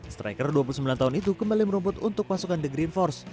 striker dua puluh sembilan tahun itu kembali merumput untuk pasukan the green force